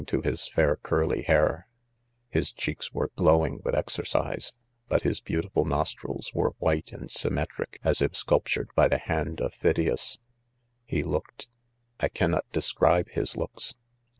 to . his fair curly hair, j.biis cheeks were glowing with exercise ^jbut his s beautiful nostrils were. white and .'symmetric as if 'sculp tured , by, tlie : ,hand.of a Phy^ias.. . c He looked,. I cannot describe hisf Ipoks